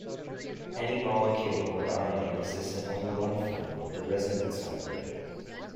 Any molecule or ion exists in only one form - the resonance hybrid.